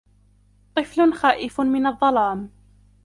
طفل خائف من الظلام.